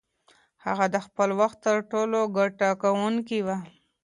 هغه د خپل وخت تر ټولو ګټه کوونکې وه.